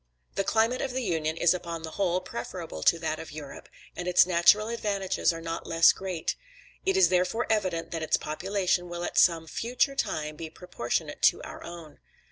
The climate of the Union is upon the whole preferable to that of Europe, and its natural advantages are not less great; it is therefore evident that its population will at some future time be proportionate to our own.